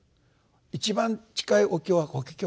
一番近いお経は法華経だ。